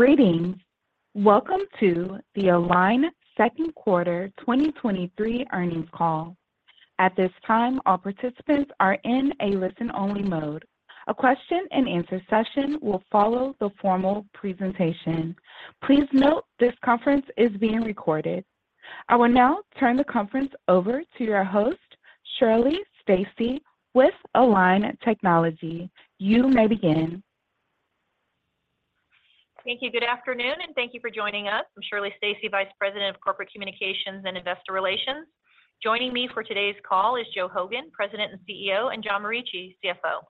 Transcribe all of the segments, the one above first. Greetings! Welcome to the Align Second Quarter 2023 Earnings Call. At this time, all participants are in a listen-only mode. A question-and-answer session will follow the formal presentation. Please note this conference is being recorded. I will now turn the conference over to your host, Shirley Stacy, with Align Technology. You may begin. Thank you. Good afternoon, and thank you for joining us. I'm Shirley Stacy, Vice President of Corporate Communications and Investor Relations. Joining me for today's call is Joe Hogan, President and CEO, and John Morici, CFO.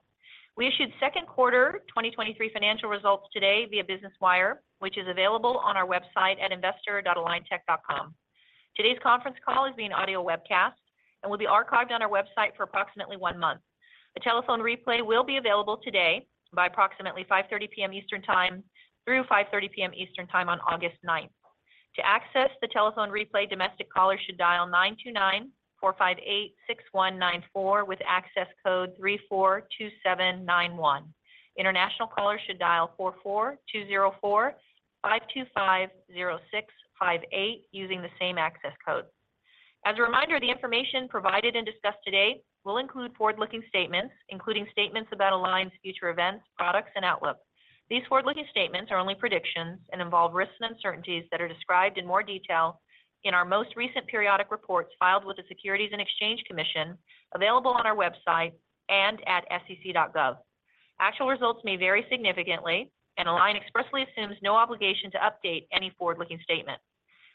We issued second quarter 2023 financial results today via Business Wire, which is available on our website at investor.aligntech.com. Today's conference call is being audio webcast and will be archived on our website for approximately one month. A telephone replay will be available today by approximately 5:30 P.M. Eastern Time through 5:30 P.M. Eastern Time on August 9th. To access the telephone replay, domestic callers should dial 929-458-6194 with access code 342791. International callers should dial 44-204-525-0658, using the same access code. As a reminder, the information provided and discussed today will include forward-looking statements, including statements about Align's future events, products, and outlook. These forward-looking statements are only predictions and involve risks and uncertainties that are described in more detail in our most recent periodic reports filed with the Securities and Exchange Commission, available on our website and at sec.gov. Actual results may vary significantly, and Align expressly assumes no obligation to update any forward-looking statement.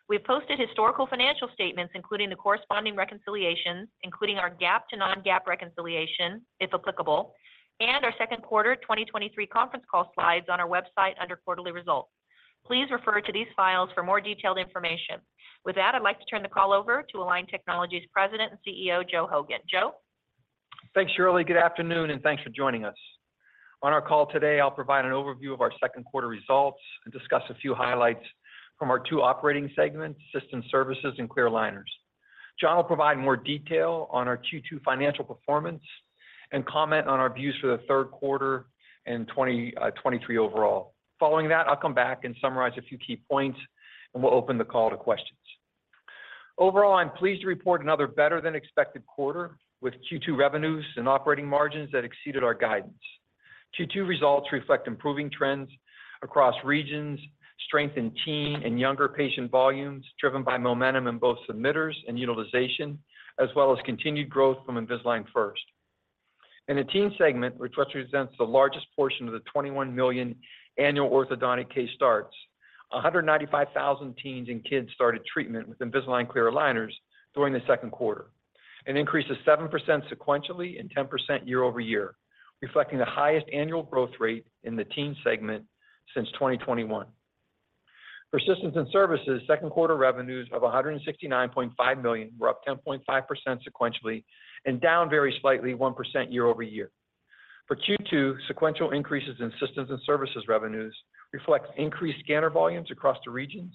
We've posted historical financial statements, including the corresponding reconciliations, including our GAAP to non-GAAP reconciliation, if applicable, and our second quarter 2023 conference call slides on our website under Quarterly Results. Please refer to these files for more detailed information. With that, I'd like to turn the call over to Align Technology's President and CEO, Joe Hogan. Joe? Thanks, Shirley. Good afternoon, and thanks for joining us. On our call today, I'll provide an overview of our second quarter results and discuss a few highlights from our two operating segments, Systems and Services and Clear Aligners. John will provide more detail on our Q2 financial performance and comment on our views for the third quarter and 2023 overall. Following that, I'll come back and summarize a few key points, and we'll open the call to questions. Overall, I'm pleased to report another better-than-expected quarter, with Q2 revenues and operating margins that exceeded our guidance. Q2 results reflect improving trends across regions, strength in teen and younger patient volumes, driven by momentum in both submitters and utilization, as well as continued growth from Invisalign First. In the teen segment, which represents the largest portion of the 21 million annual orthodontic case starts, 195,000 teens and kids started treatment with Invisalign clear aligners during the second quarter, an increase of 7% sequentially and 10% year-over-year, reflecting the highest annual growth rate in the teen segment since 2021. Systems and Services, second quarter revenues of $169.5 million were up 10.5% sequentially and down very slightly, 1% year-over-year. Q2, sequential increases in Systems and Services revenues reflect increased scanner volumes across the regions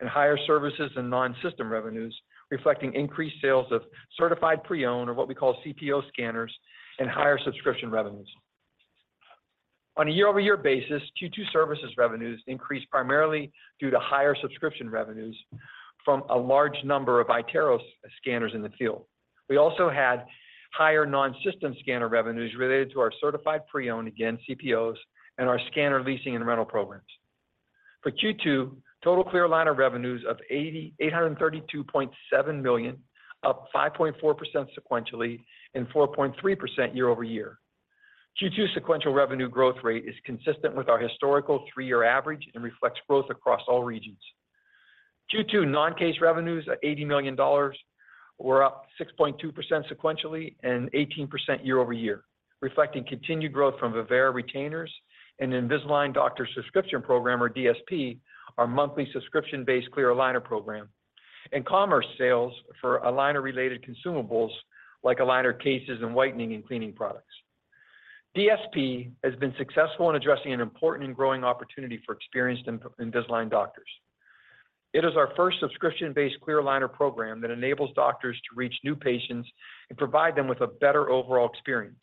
and higher services and non-system revenues, reflecting increased sales of certified pre-owned, or what we call CPO scanners, and higher subscription revenues. On a year-over-year basis, Q2 services revenues increased primarily due to higher subscription revenues from a large number of iTero scanners in the field. We also had higher non-system scanner revenues related to our certified pre-owned, again, CPOs, and our scanner leasing and rental programs. For Q2, total clear aligner revenues of $832.7 million, up 5.4% sequentially and 4.3% year-over-year. Q2 sequential revenue growth rate is consistent with our historical three-year average and reflects growth across all regions. Q2 non-case revenues of $80 million were up 6.2% sequentially and 18% year-over-year, reflecting continued growth from Vivera retainers and Invisalign Doctor Subscription Program, or DSP, our monthly subscription-based clear aligner program, and commerce sales for aligner-related consumables like aligner cases and whitening and cleaning products. DSP has been successful in addressing an important and growing opportunity for experienced Invisalign doctors. It is our first subscription-based clear aligner program that enables doctors to reach new patients and provide them with a better overall experience.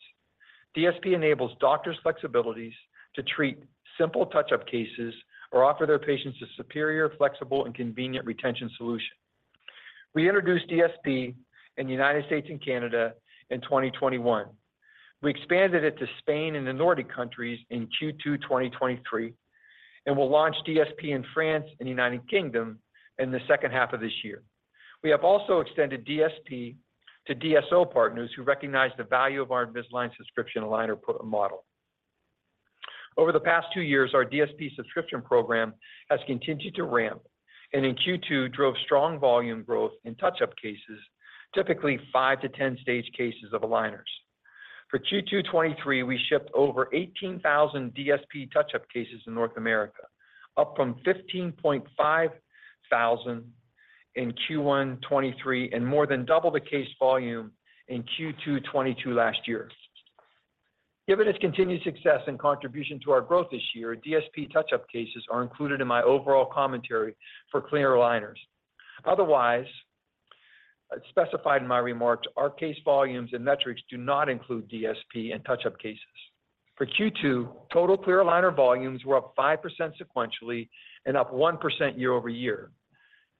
DSP enables doctors' flexibilities to treat simple touch-up cases or offer their patients a superior, flexible, and convenient retention solution. We introduced DSP in the United States and Canada in 2021. We expanded it to Spain and the Nordic countries in Q2 2023, and we'll launch DSP in France and the United Kingdom in the second half of this year. We have also extended DSP to DSO partners who recognize the value of our Invisalign subscription aligner model. Over the past two years, our DSP subscription program has continued to ramp, and in Q2, drove strong volume growth in touch-up cases, typically 5-10 stage cases of aligners. For Q2 2023, we shipped over 18,000 DSP touch-up cases in North America, up from 15,500 in Q1 2023, and more than double the case volume in Q2 2022 last year. Given its continued success and contribution to our growth this year, DSP touch-up cases are included in my overall commentary for clear aligners. Otherwise, as specified in my remarks, our case volumes and metrics do not include DSP and touch-up cases. For Q2, total clear aligner volumes were up 5% sequentially and up 1% year-over-year.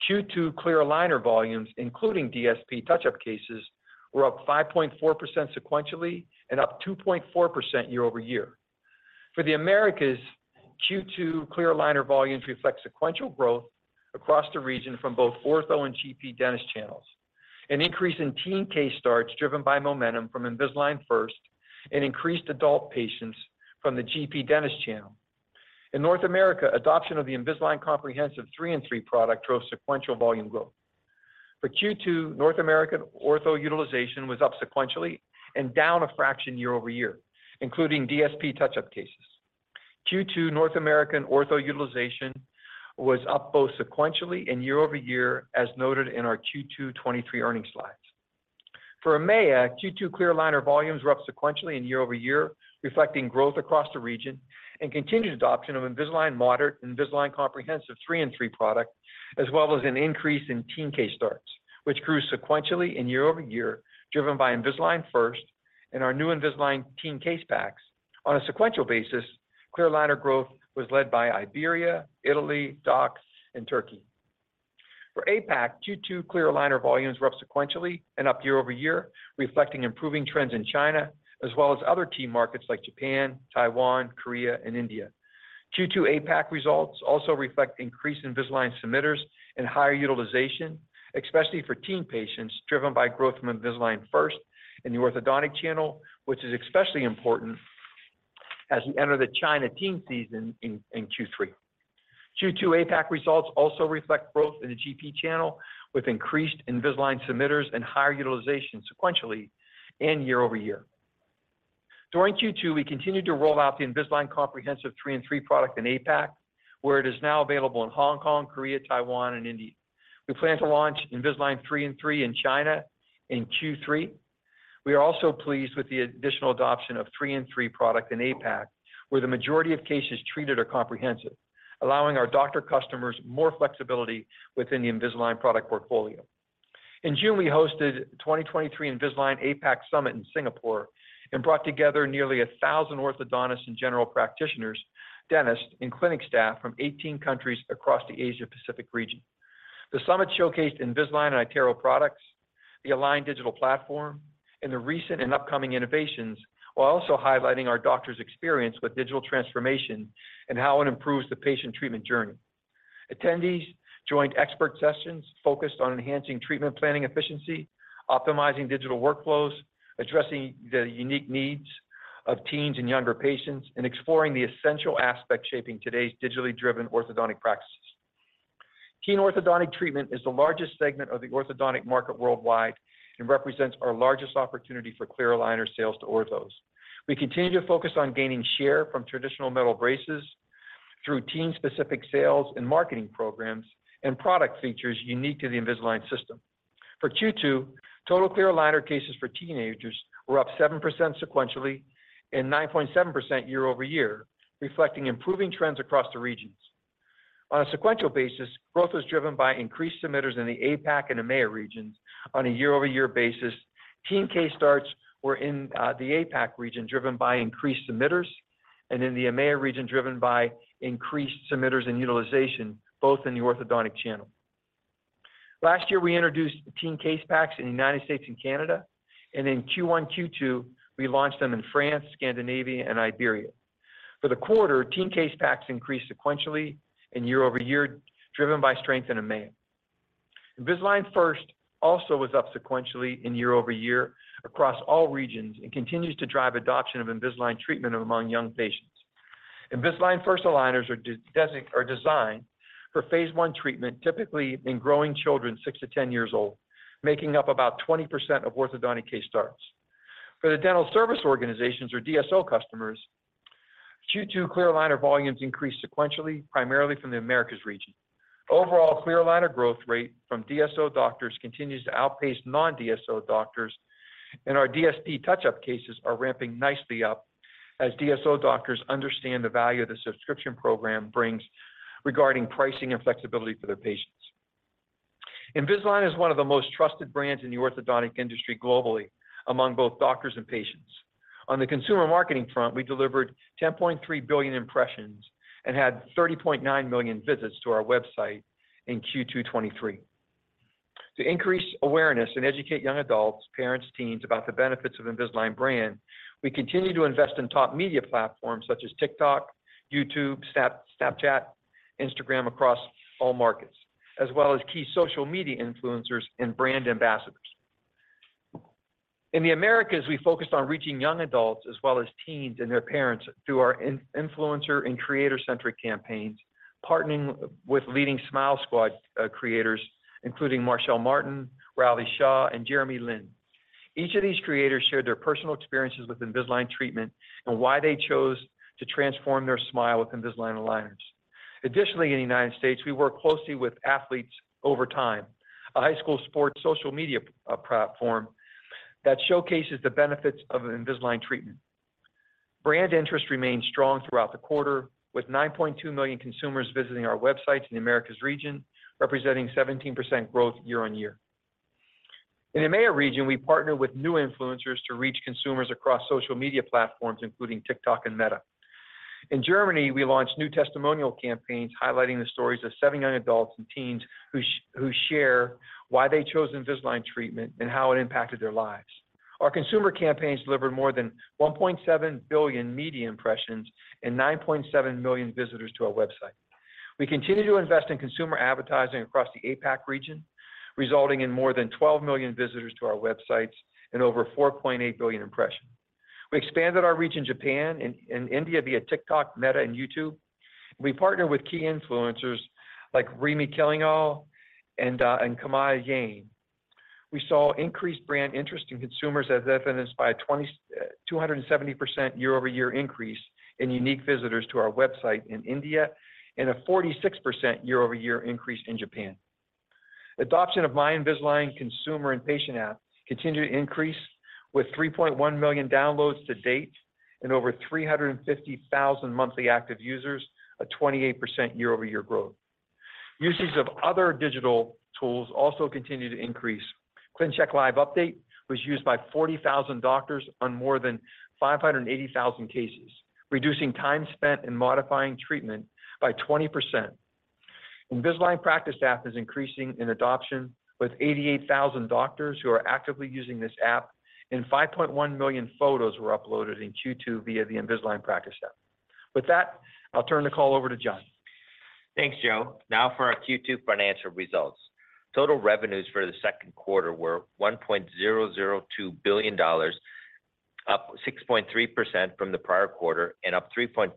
Q2 clear aligner volumes, including DSP touch-up cases, were up 5.4% sequentially and up 2.4% year-over-year. For the Americas, Q2 clear aligner volumes reflect sequential growth across the region from both ortho and GP dentist channels. An increase in teen case starts, driven by momentum from Invisalign First, and increased adult patients from the GP dentist channel. In North America, adoption of the Invisalign Comprehensive Three and Three product drove sequential volume growth. For Q2, North American ortho utilization was up sequentially and down a fraction year-over-year, including DSP touch-up cases. Q2 North American ortho utilization was up both sequentially and year-over-year, as noted in our Q2 2023 earnings slides. For EMEA, Q2 clear aligner volumes were up sequentially and year-over-year, reflecting growth across the region and continued adoption of Invisalign Moderate and Invisalign Comprehensive Three and Three product, as well as an increase in teen case starts, which grew sequentially and year-over-year, driven by Invisalign First and our new Invisalign teen case packs. On a sequential basis, clear aligner growth was led by Iberia, Italy, DACH, and Turkey. For APAC, Q2 clear aligner volumes were up sequentially and up year-over-year, reflecting improving trends in China, as well as other key markets like Japan, Taiwan, Korea, and India. Q2 APAC results also reflect increased Invisalign submitters and higher utilization, especially for teen patients, driven by growth from Invisalign First in the orthodontic channel, which is especially important as we enter the China teen season in Q3. Q2 APAC results also reflect growth in the GP channel, with increased Invisalign submitters and higher utilization sequentially and year-over-year. During Q2, we continued to roll out the Invisalign Comprehensive Three and Three product in APAC, where it is now available in Hong Kong, Korea, Taiwan, and India. We plan to launch Invisalign Three and Three in China in Q3. We are also pleased with the additional adoption of Three and Three product in APAC, where the majority of cases treated are comprehensive, allowing our doctor customers more flexibility within the Invisalign product portfolio. In June, we hosted 2023 Invisalign APAC Summit in Singapore and brought together nearly 1,000 orthodontists and general practitioners, dentists, and clinic staff from 18 countries across the Asia-Pacific region. The summit showcased Invisalign and iTero products, the Align Digital Platform, and the recent and upcoming innovations, while also highlighting our doctors' experience with digital transformation and how it improves the patient treatment journey. Attendees joined expert sessions focused on enhancing treatment planning efficiency, optimizing digital workflows, addressing the unique needs of teens and younger patients, and exploring the essential aspects shaping today's digitally driven orthodontic practices. Teen orthodontic treatment is the largest segment of the orthodontic market worldwide and represents our largest opportunity for clear aligner sales to orthos. We continue to focus on gaining share from traditional metal braces through teen-specific sales and marketing programs and product features unique to the Invisalign system. For Q2, total clear aligner cases for teenagers were up 7% sequentially and 9.7% year-over-year, reflecting improving trends across the regions. On a sequential basis, growth was driven by increased submitters in the APAC and EMEA regions. On a year-over-year basis, teen case starts were in the APAC region, driven by increased submitters, and in the EMEA region, driven by increased submitters and utilization, both in the orthodontic channel. Last year, we introduced the teen case packs in the United States and Canada, and in Q1, Q2, we launched them in France, Scandinavia, and Iberia. For the quarter, teen case packs increased sequentially and year-over-year, driven by strength in EMEA. Invisalign First also was up sequentially and year-over-year across all regions and continues to drive adoption of Invisalign treatment among young patients. Invisalign First aligners are designed for phase I treatment, typically in growing children, 6-10 years old, making up about 20% of orthodontic case starts. For the dental service organizations or DSO customers, Q2 clear aligner volumes increased sequentially, primarily from the Americas region. Overall, clear aligner growth rate from DSO doctors continues to outpace non-DSO doctors, and our DSP touch-up cases are ramping nicely up as DSO doctors understand the value the subscription program brings regarding pricing and flexibility for their patients. Invisalign is one of the most trusted brands in the orthodontic industry globally among both doctors and patients. On the consumer marketing front, we delivered 10.3 billion impressions and had 30.9 million visits to our website in Q2 2023. To increase awareness and educate young adults, parents, teens, about the benefits of Invisalign brand, we continue to invest in top media platforms such as TikTok, YouTube, Snap- Snapchat, Instagram across all markets, as well as key social media influencers and brand ambassadors. In the Americas, we focused on reaching young adults as well as teens and their parents through our in-influencer and creator-centric campaigns, partnering with leading Smile Squad creators, including Marsai Martin, Rylee Shaw, and Jeremy Lin. Each of these creators shared their personal experiences with Invisalign treatment and why they chose to transform their smile with Invisalign aligners. Additionally, in the United States, we work closely with athletes Overtime, a high school sports social media platform that showcases the benefits of Invisalign treatment. Brand interest remained strong throughout the quarter, with 9.2 million consumers visiting our websites in the Americas region, representing 17% growth year-on-year. In the EMEA region, we partnered with new influencers to reach consumers across social media platforms, including TikTok and Meta. In Germany, we launched new testimonial campaigns highlighting the stories of seven young adults and teens who share why they chose Invisalign treatment and how it impacted their lives. Our consumer campaigns delivered more than 1.7 billion media impressions and 9.7 million visitors to our website. We continue to invest in consumer advertising across the APAC region, resulting in more than 12 million visitors to our websites and over 4.8 billion impressions. We expanded our reach in Japan and India via TikTok, Meta, and YouTube. We partnered with key influencers like Rima Kallingal and Kamiya Jani. We saw increased brand interest in consumers, as evidenced by 270% year-over-year increase in unique visitors to our website in India, and a 46% year-over-year increase in Japan. Adoption of My Invisalign consumer and patient app continued to increase, with 3.1 million downloads-to-date and over 350,000 monthly active users, a 28% year-over-year growth. Usage of other digital tools also continued to increase. ClinCheck Live Update was used by 40,000 doctors on more than 580,000 cases, reducing time spent in modifying treatment by 20%. Invisalign Practice App is increasing in adoption, with 88,000 doctors who are actively using this app, and 5.1 million photos were uploaded in Q2 via the Invisalign Practice App. With that, I'll turn the call over to John. Thanks, Joe. For our Q2 financial results. Total revenues for the second quarter were $1.002 billion, up 6.3% from the prior quarter and up 3.4%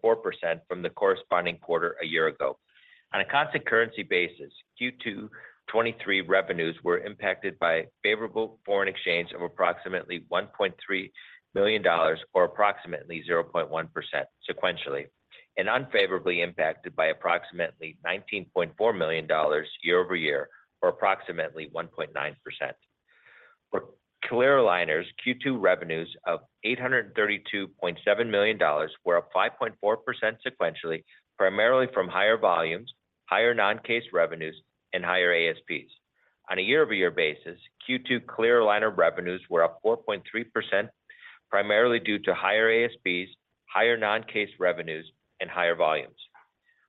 from the corresponding quarter a year ago. On a constant currency basis, Q2 2023 revenues were impacted by favorable foreign exchange of approximately $1.3 million, or approximately 0.1% sequentially, and unfavorably impacted by approximately $19.4 million year-over-year, or approximately 1.9%. For clear aligners, Q2 revenues of $832.7 million were up 5.4% sequentially, primarily from higher volumes, higher non-case revenues, and higher ASPs. On a year-over-year basis, Q2 clear aligner revenues were up 4.3%, primarily due to higher ASPs, higher non-case revenues, and higher volumes.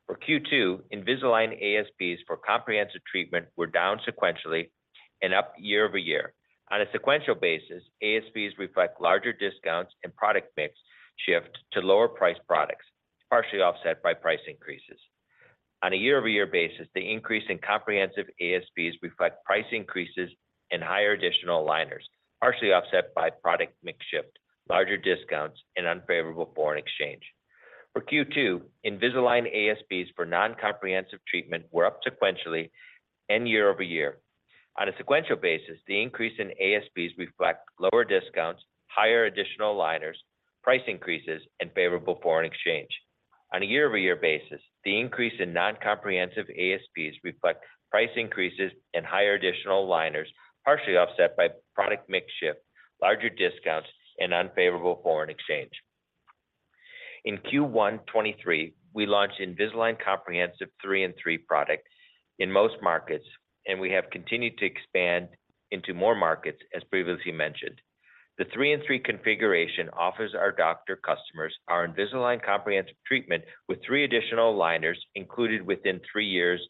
For Q2, Invisalign ASPs for comprehensive treatment were down sequentially and up year-over-year. On a sequential basis, ASPs reflect larger discounts and product mix shift to lower priced products, partially offset by price increases. On a year-over-year basis, the increase in comprehensive ASPs reflect price increases and higher additional aligners, partially offset by product mix shift, larger discounts, and unfavorable foreign exchange. For Q2, Invisalign ASPs for non-comprehensive treatment were up sequentially and year-over-year. On a sequential basis, the increase in ASPs reflect lower discounts, higher additional aligners, price increases, and favorable foreign exchange. On a year-over-year basis, the increase in non-comprehensive ASPs reflect price increases and higher additional aligners, partially offset by product mix shift, larger discounts, and unfavorable foreign exchange. In Q1 2023, we launched Invisalign Comprehensive Three and Three product in most markets, and we have continued to expand into more markets, as previously mentioned. The Three and Three configuration offers our doctor customers our Invisalign Comprehensive treatment with 3 additional aligners included within three years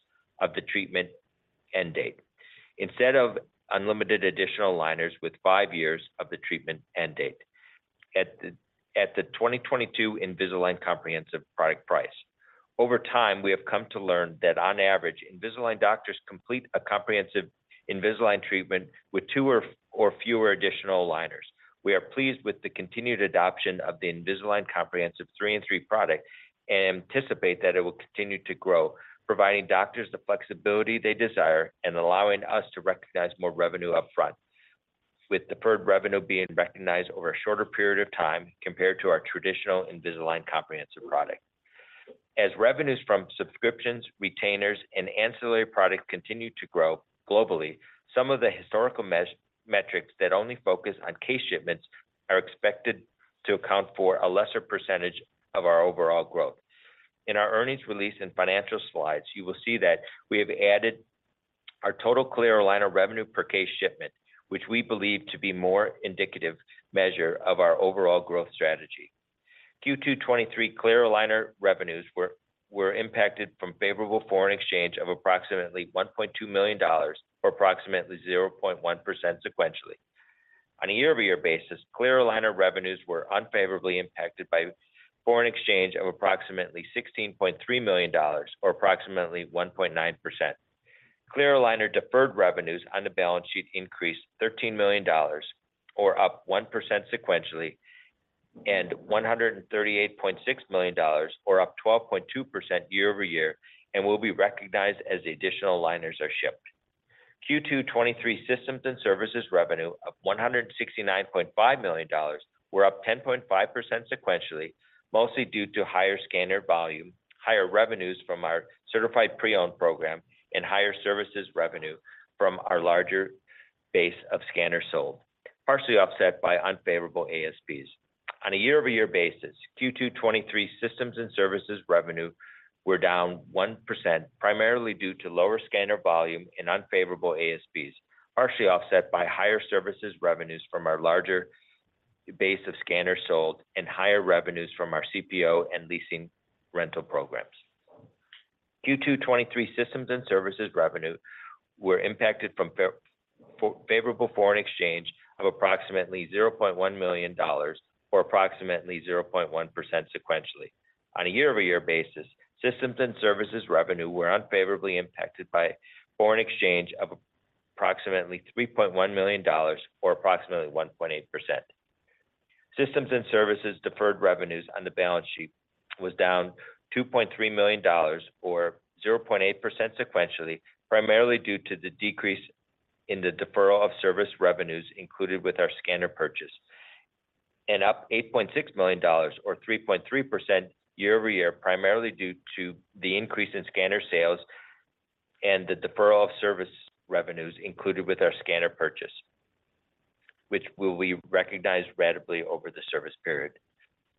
of the treatment end date, instead of unlimited additional aligners with five years of the treatment end date. At the 2022 Invisalign Comprehensive product price. Over time, we have come to learn that on average, Invisalign doctors complete a Comprehensive Invisalign treatment with two or fewer additional aligners. We are pleased with the continued adoption of the Invisalign Comprehensive Three and Three product and anticipate that it will continue to grow, providing doctors the flexibility they desire and allowing us to recognize more revenue upfront, with deferred revenue being recognized over a shorter period of time compared to our traditional Invisalign comprehensive product. As revenues from subscriptions, retainers, and ancillary products continue to grow globally, some of the historical metrics that only focus on case shipments are expected to account for a lesser percentage of our overall growth. In our earnings release and financial slides, you will see that we have added our total clear aligner revenue per case shipment, which we believe to be more indicative measure of our overall growth strategy. Q2 2023 clear aligner revenues were impacted from favorable foreign exchange of approximately $1.2 million, or approximately 0.1% sequentially. On a year-over-year basis, clear aligner revenues were unfavorably impacted by foreign exchange of approximately $16.3 million, or approximately 1.9%. Clear aligner deferred revenues on the balance sheet increased $13 million, or up 1% sequentially, and $138.6 million, or up 12.2% year-over-year, and will be recognized as the additional aligners are shipped. Q2 2023 systems and services revenue of $169.5 million were up 10.5% sequentially, mostly due to higher scanner volume, higher revenues from our certified pre-owned program and higher services revenue from our larger base of scanners sold, partially offset by unfavorable ASPs. On a year-over-year basis, Q2 2023 systems and services revenue were down 1%, primarily due to lower scanner volume and unfavorable ASPs, partially offset by higher services revenues from our larger base of scanners sold and higher revenues from our CPO and leasing rental programs. Q2 2023 systems and services revenue were impacted from favorable foreign exchange of approximately $0.1 million or approximately 0.1% sequentially. On a year-over-year basis, systems and services revenue were unfavorably impacted by foreign exchange of approximately $3.1 million or approximately 1.8%. Systems and services deferred revenues on the balance sheet was down $2.3 million or 0.8% sequentially, primarily due to the decrease in the deferral of service revenues included with our scanner purchase, and up $8.6 million or 3.3% year-over-year, primarily due to the increase in scanner sales and the deferral of service revenues included with our scanner purchase, which will be recognized ratably over the service period.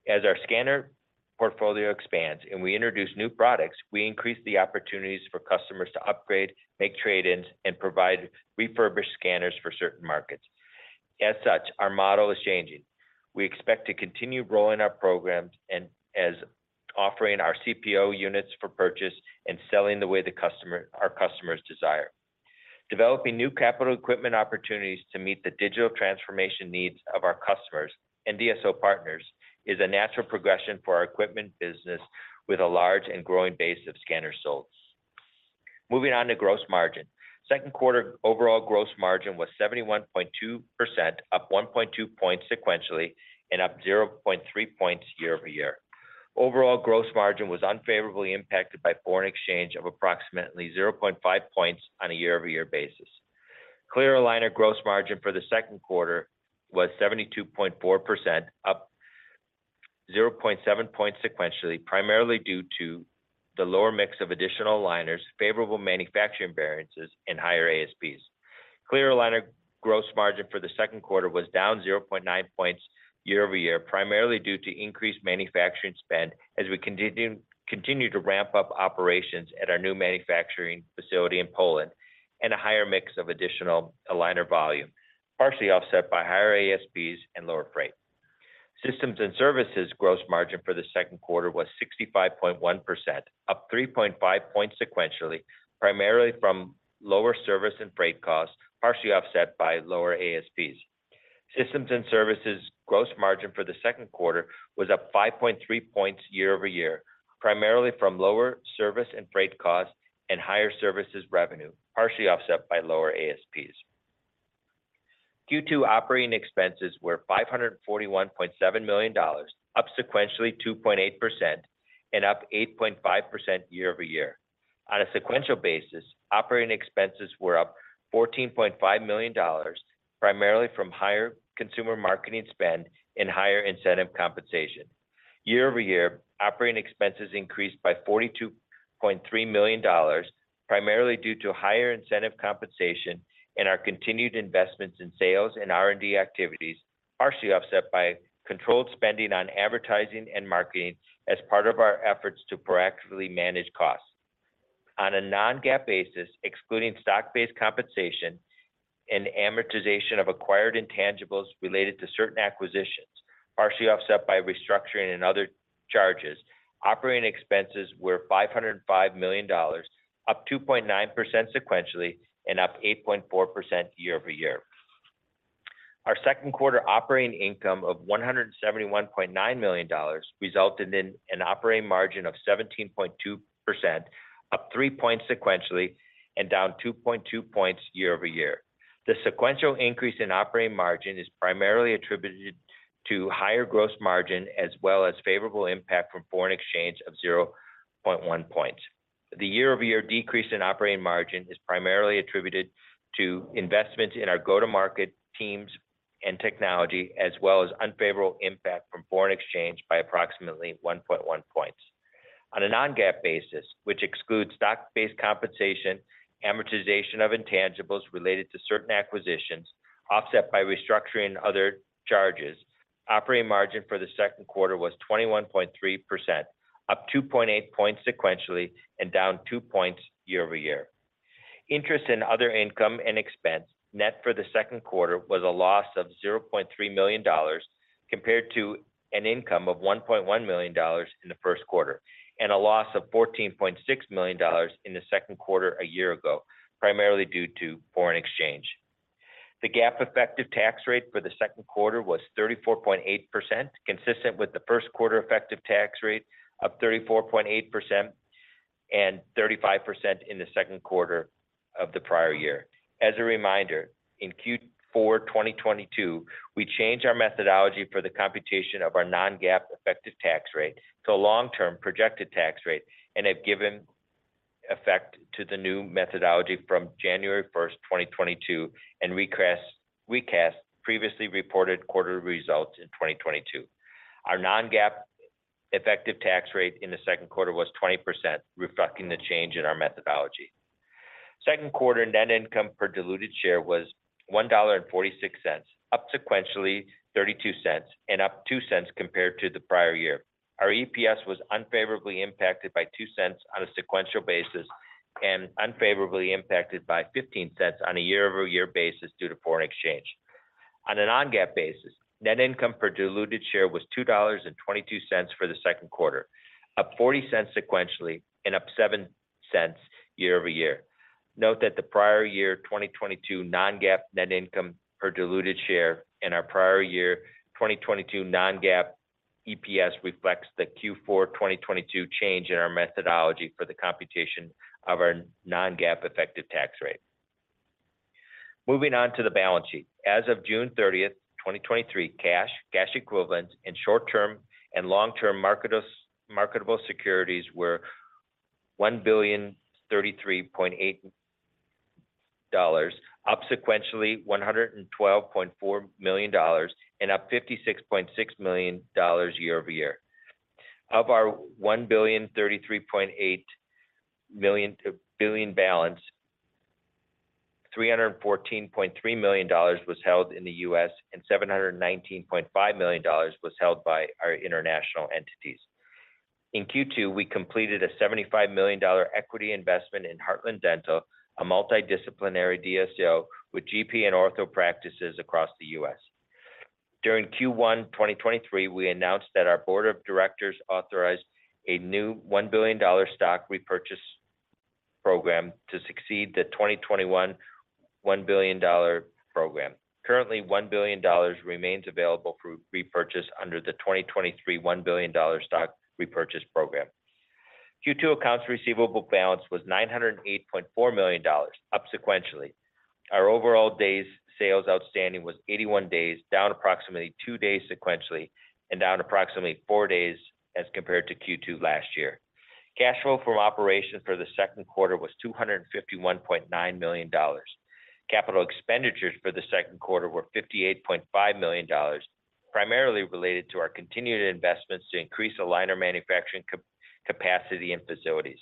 As our scanner portfolio expands and we introduce new products, we increase the opportunities for customers to upgrade, make trade-ins, and provide refurbished scanners for certain markets. As such, our model is changing. We expect to continue rolling our programs and as offering our CPO units for purchase and selling the way our customers desire. Developing new capital equipment opportunities to meet the digital transformation needs of our customers and DSO partners, is a natural progression for our equipment business with a large and growing base of scanner sales. Moving on to gross margin. Second quarter overall gross margin was 71.2%, up 1.2 points sequentially and up 0.3 points year-over-year. Overall, gross margin was unfavorably impacted by foreign exchange of approximately 0.5 points on a year-over-year basis. Clear aligner gross margin for the second quarter was 72.4%, up 0.7 points sequentially, primarily due to the lower mix of additional aligners, favorable manufacturing variances and higher ASPs. Clear aligner gross margin for the second quarter was down 0.9 points year-over-year, primarily due to increased manufacturing spend as we continue to ramp up operations at our new manufacturing facility in Poland, and a higher mix of additional aligner volume, partially offset by higher ASPs and lower freight. Systems and services gross margin for the second quarter was 65.1%, up 3.5 points sequentially, primarily from lower service and freight costs, partially offset by lower ASPs. Systems and services gross margin for the second quarter was up 5.3 points year-over-year, primarily from lower service and freight costs and higher services revenue, partially offset by lower ASPs. Q2 operating expenses were $541.7 million, up sequentially 2.8% and up 8.5% year-over-year. On a sequential basis, operating expenses were up $14.5 million, primarily from higher consumer marketing spend and higher incentive compensation. Year-over-year, operating expenses increased by $42.3 million, primarily due to higher incentive compensation and our continued investments in sales and R&D activities, partially offset by controlled spending on advertising and marketing as part of our efforts to proactively manage costs. On a non-GAAP basis, excluding stock-based compensation and amortization of acquired intangibles related to certain acquisitions, partially offset by restructuring and other charges, operating expenses were $505 million, up 2.9% sequentially and up 8.4% year-over-year. Our second quarter operating income of $171.9 million resulted in an operating margin of 17.2%, up 3 points sequentially and down 2.2 points year-over-year. The sequential increase in operating margin is primarily attributed to higher gross margin, as well as favorable impact from foreign exchange of 0.1 points. The year-over-year decrease in operating margin is primarily attributed to investments in our go-to-market teams and technology, as well as unfavorable impact from foreign exchange by approximately 1.1 points. On a non-GAAP basis, which excludes stock-based compensation, amortization of intangibles related to certain acquisitions, offset by restructuring other charges, operating margin for the second quarter was 21.3%, up 2.8 points sequentially and down two points year-over-year. Interest in other income and expense, net for the second quarter was a loss of $0.3 million, compared to an income of $1.1 million in the first quarter, and a loss of $14.6 million in the second quarter a year ago, primarily due to foreign exchange. The GAAP effective tax rate for the second quarter was 34.8%, consistent with the first quarter effective tax rate of 34.8% and 35% in the second quarter of the prior year. As a reminder, in Q4 2022, we changed our methodology for the computation of our non-GAAP effective tax rate to a long-term projected tax rate, and have given effect to the new methodology from January 1, 2022, and recast previously reported quarter results in 2022. Our non-GAAP effective tax rate in the second quarter was 20%, reflecting the change in our methodology. Second quarter net income per diluted share was $1.46, up sequentially $0.32, and up $0.02 compared to the prior year. Our EPS was unfavorably impacted by $0.02 on a sequential basis, and unfavorably impacted by $0.15 on a year-over-year basis due to foreign exchange. On a non-GAAP basis, net income per diluted share was $2.22 for the second quarter, up $0.40 sequentially and up $0.07 year-over-year. Note that the prior year, 2022 non-GAAP net income per diluted share, and our prior year, 2022 non-GAAP EPS reflects the Q4 2022 change in our methodology for the computation of our non-GAAP effective tax rate. Moving on to the balance sheet. As of June 30, 2023, cash equivalents, and short-term and long-term marketable securities were $1,033.8, up sequentially $112.4 million, and up $56.6 million year-over-year. Of our $1,033.8 million balance, $314.3 million was held in the U.S., and $719.5 million was held by our international entities. In Q2, we completed a $75 million equity investment in Heartland Dental, a multidisciplinary DSO with GP and ortho practices across the U.S. During Q1 2023, we announced that our board of directors authorized a new $1 billion stock repurchase program to succeed the 2021, $1 billion program. Currently, $1 billion remains available for repurchase under the 2023, $1 billion stock repurchase program. Q2 accounts receivable balance was $908.4 million, up sequentially. Our overall days sales outstanding was 81 days, down approximately two days sequentially, and down approximately four days as compared to Q2 last year. Cash flow from operations for the second quarter was $251.9 million. Capital expenditures for the second quarter were $58.5 million, primarily related to our continued investments to increase aligner manufacturing capacity and facilities.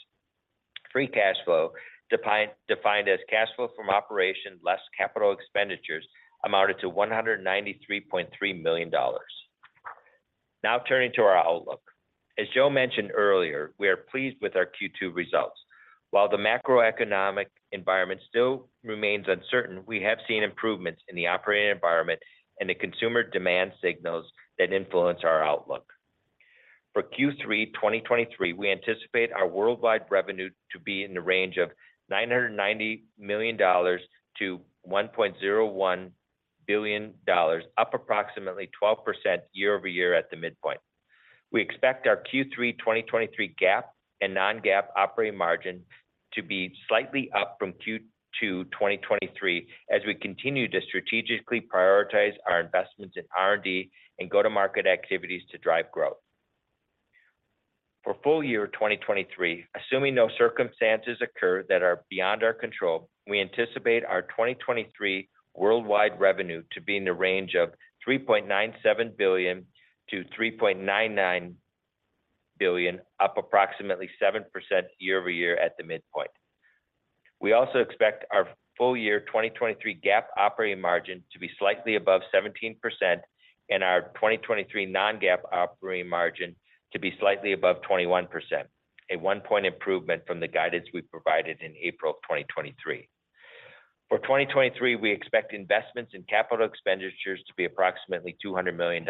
Free cash flow, defined as cash flow from operations less capital expenditures, amounted to $193.3 million. Turning to our outlook. As Joe mentioned earlier, we are pleased with our Q2 results. While the macroeconomic environment still remains uncertain, we have seen improvements in the operating environment and the consumer demand signals that influence our outlook. For Q3 2023, we anticipate our worldwide revenue to be in the range of $990 million-$1.01 billion, up approximately 12% year-over-year at the midpoint. We expect our Q3 2023 GAAP and non-GAAP operating margin to be slightly up from Q2 2023, as we continue to strategically prioritize our investments in R&D and go-to-market activities to drive growth. For full year 2023, assuming no circumstances occur that are beyond our control, we anticipate our 2023 worldwide revenue to be in the range of $3.97 billion-$3.99 billion, up approximately 7% year-over-year at the midpoint. We also expect our full year 2023 GAAP operating margin to be slightly above 17%, and our 2023 non-GAAP operating margin to be slightly above 21%, a 1-point improvement from the guidance we provided in April of 2023. For 2023, we expect investments in capital expenditures to be approximately $200 million.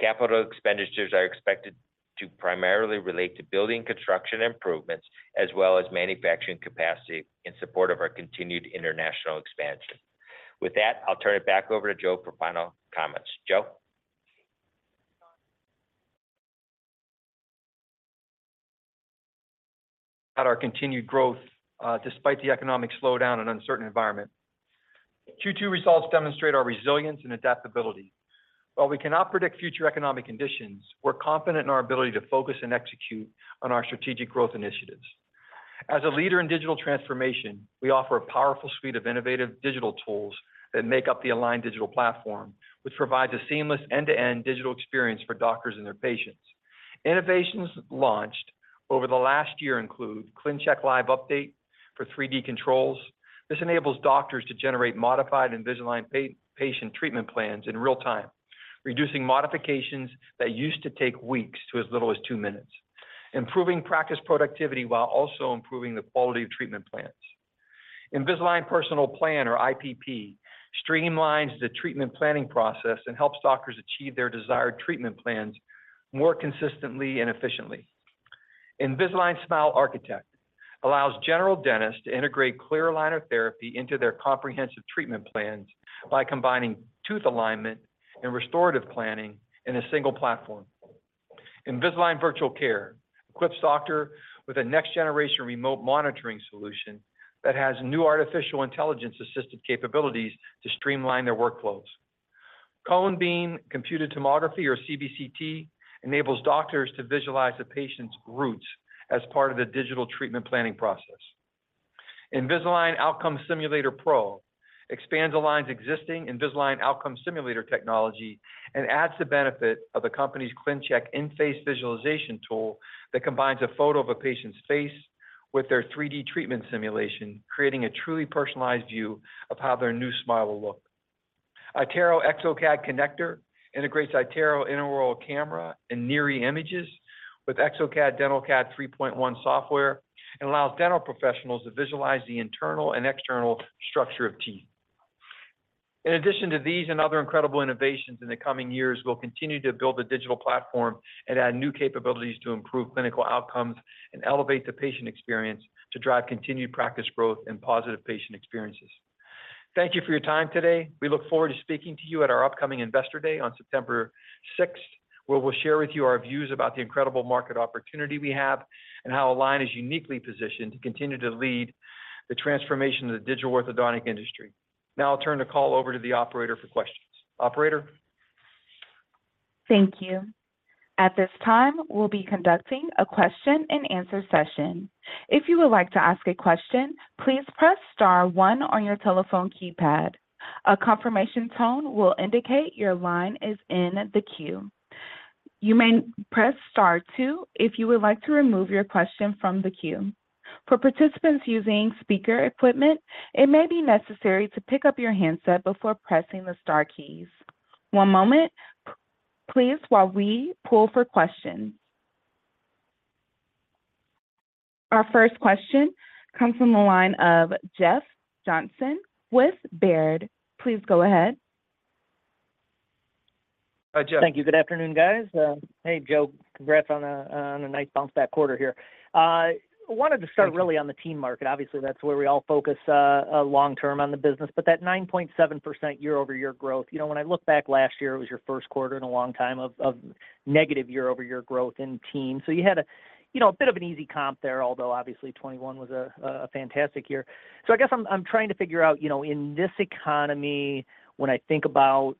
Capital expenditures are expected to primarily relate to building construction improvements, as well as manufacturing capacity in support of our continued international expansion. With that, I'll turn it back over to Joe for final comments. Joe? At our continued growth, despite the economic slowdown and uncertain environment. Q2 results demonstrate our resilience and adaptability. While we cannot predict future economic conditions, we're confident in our ability to focus and execute on our strategic growth initiatives. As a leader in digital transformation, we offer a powerful suite of innovative digital tools that make up the Align Digital Platform, which provides a seamless end-to-end digital experience for doctors and their patients. Innovations launched over the last year include ClinCheck Live Update for 3D controls. This enables doctors to generate modified Invisalign patient treatment plans in real time, reducing modifications that used to take weeks to as little as two minutes, improving practice productivity while also improving the quality of treatment plans. Invisalign Personalized Plan, or IPP, streamlines the treatment planning process and helps doctors achieve their desired treatment plans more consistently and efficiently. Invisalign Smile Architect allows general dentists to integrate clear aligner therapy into their comprehensive treatment plans by combining tooth alignment and restorative planning in a single platform. Invisalign Virtual Care equips doctor with a next generation remote monitoring solution that has new artificial intelligence assisted capabilities to streamline their workflows. Cone Beam Computed Tomography or CBCT, enables doctors to visualize a patient's roots as part of the digital treatment planning process. Invisalign Outcome Simulator Pro expands Align's existing Invisalign Outcome Simulator technology and adds the benefit of the company's ClinCheck in-face visualization tool that combines a photo of a patient's face with their 3D treatment simulation, creating a truly personalized view of how their new smile will look. iTero-exocad Connector integrates iTero intraoral camera and NIRI images with exocad dental 3.1 software and allows dental professionals to visualize the internal and external structure of teeth. In addition to these and other incredible innovations in the coming years, we'll continue to build a digital platform and add new capabilities to improve clinical outcomes and elevate the patient experience to drive continued practice growth and positive patient experiences. Thank you for your time today. We look forward to speaking to you at our upcoming Investor Day on September 6th, where we'll share with you our views about the incredible market opportunity we have and how Align is uniquely positioned to continue to lead the transformation of the digital orthodontic industry. I'll turn the call over to the operator for questions. Operator? Thank you. At this time, we'll be conducting a question-and-answer session. If you would like to ask a question, please press star 1 on your telephone keypad. A confirmation tone will indicate your line is in the queue. You may press star 2, if you would like to remove your question from the queue. For participants using speaker equipment, it may be necessary to pick up your handset before pressing the star keys. One moment, please, while we pull for questions. Our first question comes from the line of Jeffrey Johnson with Baird. Please go ahead. Hi, Jeff. Thank you. Good afternoon, guys. Hey, Joe, congrats on a nice bounce-back quarter here. I wanted to start really on the teen market. Obviously, that's where we all focus long term on the business, but that 9.7% year-over-year growth, you know, when I look back last year, it was your first quarter in a long time of negative year-over-year growth in teen. You had a, you know, a bit of an easy comp there, although obviously, 2021 was a fantastic year. I guess I'm trying to figure out, you know, in this economy, when I think about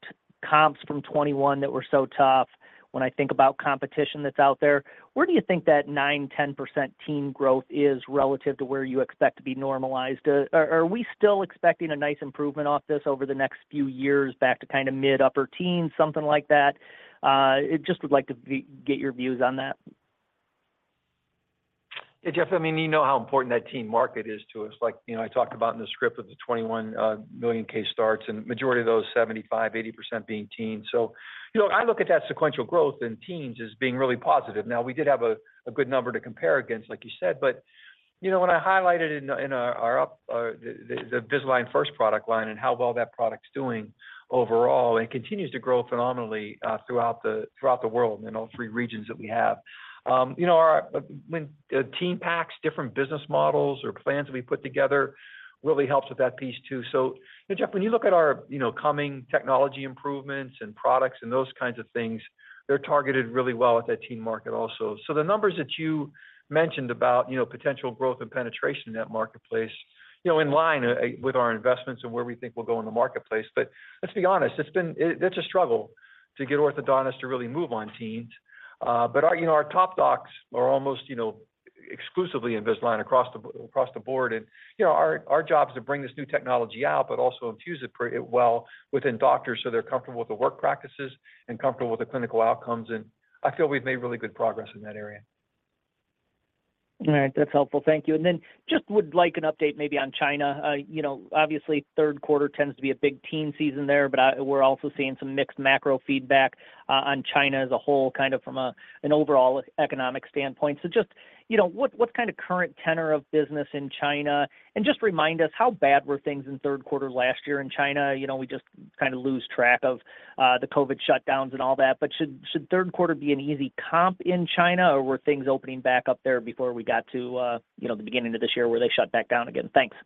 comps from 2021 that were so tough, when I think about competition that's out there, where do you think that 9%, 10% teen growth is relative to where you expect to be normalized? Are we still expecting a nice improvement off this over the next few years back to kind of mid-upper teens, something like that? I just would like to get your views on that. Hey, Jeff, I mean, you know how important that teen market is to us. Like, you know, I talked about in the script of the 21 million case starts, and majority of those, 75%, 80% being teen. You know, I look at that sequential growth in teens as being really positive. We did have a good number to compare against, like you said, but, you know, when I highlighted in the, in our up, the Invisalign First product line and how well that product's doing overall, and it continues to grow phenomenally throughout the, throughout the world, in all 3 regions that we have. You know, our, when, teen packs different business models or plans we put together really helps with that piece, too. Jeff, when you look at our, you know, coming technology improvements and products and those kinds of things, they're targeted really well at that teen market also. The numbers that you mentioned about, you know, potential growth and penetration in that marketplace, you know, in line with our investments and where we think we'll go in the marketplace. Let's be honest, it's been a struggle to get orthodontists to really move on teens. Our, you know, our top docs are almost, you know, exclusively Invisalign across the, across the board. Our, you know, our job is to bring this new technology out, but also infuse it pretty well within doctors, so they're comfortable with the work practices and comfortable with the clinical outcomes, and I feel we've made really good progress in that area. All right. That's helpful. Thank you. Just would like an update maybe on China. You know, obviously, third quarter tends to be a big teen season there, but we're also seeing some mixed macro feedback on China as a whole, kind of from an overall economic standpoint. Just, you know, what's kind of current tenor of business in China? Just remind us, how bad were things in third quarter last year in China? You know, we just kind of lose track of the COVID shutdowns and all that. Should third quarter be an easy comp in China, or were things opening back up there before we got to, you know, the beginning of this year, where they shut back down again? Thanks.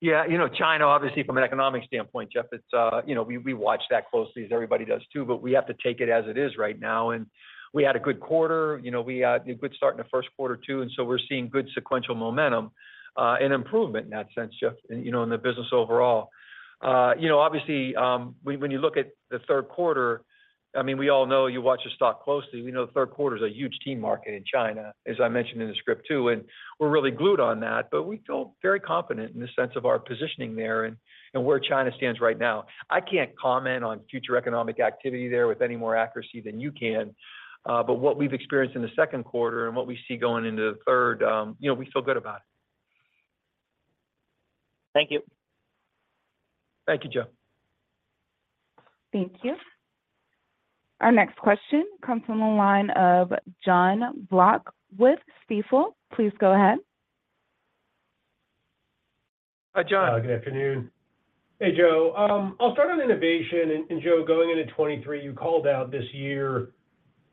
You know, China, obviously, from an economic standpoint, Jeff, it's, you know, we watch that closely, as everybody does, too, but we have to take it as it is right now, and we had a good quarter. You know, we had a good start in the first quarter, too. We're seeing good sequential momentum and improvement in that sense, Jeff, you know, in the business overall. You know, obviously, when you look at the third quarter, I mean, we all know you watch the stock closely. We know the third quarter is a huge teen market in China, as I mentioned in the script, too. We're really glued on that. We feel very confident in the sense of our positioning there and where China stands right now. I can't comment on future economic activity there with any more accuracy than you can, but what we've experienced in the second quarter and what we see going into the third, you know, we feel good about it. Thank you. Thank you, Jeff. Thank you. Our next question comes from the line of Jonathan Block with Stifel. Please go ahead. Hi, Jon. Good afternoon. Hey, Joe. I'll start on innovation, and Joe, going into 2023, you called out this year,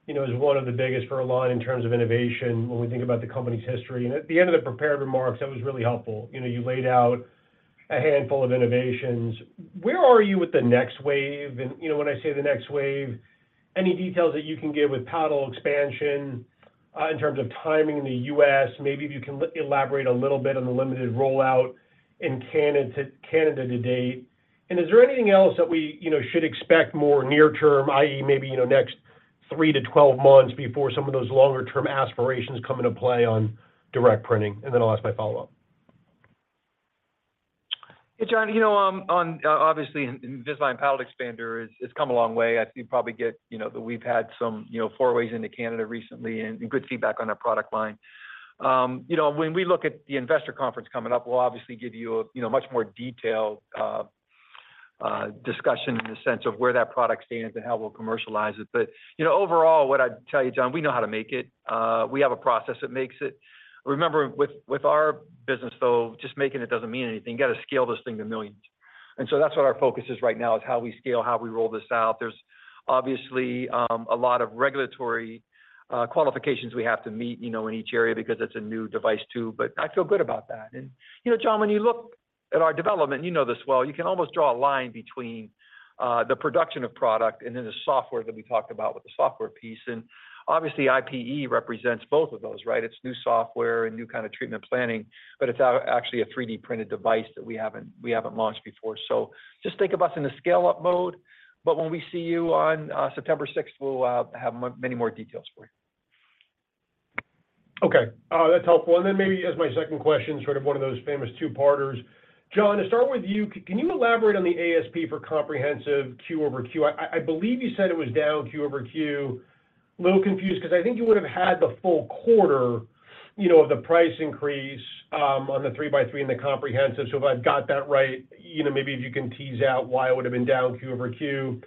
you know, as one of the biggest for Align in terms of innovation when we think about the company's history. At the end of the prepared remarks, that was really helpful. You know, you laid out a handful of innovations. Where are you with the next wave? You know, when I say the next wave, any details that you can give with palatal expansion in terms of timing in the U.S., maybe if you can elaborate a little bit on the limited rollout in Canada to date. Is there anything else that we, you know, should expect more near term, i.e., maybe, you know, next 3-12 months before some of those longer term aspirations come into play on direct printing? I'll ask my follow-up. Hey, Jon, you know, obviously, in Invisalign Palatal Expander, it's come a long way. I think you probably get, you know, that we've had some, you know, forays into Canada recently and good feedback on our product line. You know, when we look at the investor conference coming up, we'll obviously give you a, you know, much more detailed discussion in the sense of where that product stands and how we'll commercialize it. You know, overall, what I'd tell you, John, we know how to make it. We have a process that makes it. Remember, with our business, though, just making it doesn't mean anything. You got to scale this thing to millions. That's what our focus is right now, is how we scale, how we roll this out. There's obviously, a lot of regulatory, qualifications we have to meet, you know, in each area because it's a new device, too, but I feel good about that. You know, John, when you look at our development, you know this well, you can almost draw a line between, the production of product and then the software that we talked about with the software piece. Obviously, IPE represents both of those, right? It's new software and new kind of treatment planning, but it's actually a 3D printed device that we haven't launched before. Just think of us in a scale-up mode, but when we see you on, September 6th, we'll, have many more details for you. Okay, that's helpful. Maybe as my second question, sort of one of those famous two-parters. John, to start with you, can you elaborate on the ASP for comprehensive Q over Q? I believe you said it was down Q over Q. A little confused, because I think you would have had the full quarter, you know, of the price increase on the three by three and the comprehensive. If I've got that right, you know, maybe if you can tease out why it would have been down Q over Q.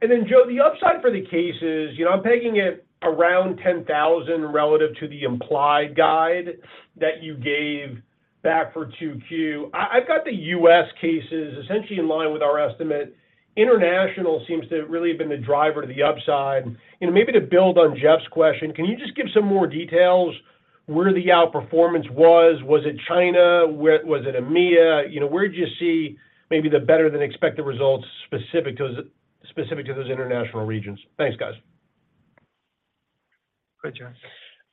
Joe, the upside for the cases, you know, I'm pegging it around 10,000 relative to the implied guide that you gave back for 2Q. I've got the U.S. cases essentially in line with our estimate. International seems to really have been the driver to the upside. You know, maybe to build on Jeff's question: Can you just give some more details where the outperformance was? Was it China? Was it EMEA? You know, where did you see maybe the better-than-expected results specific to those international regions? Thanks, guys.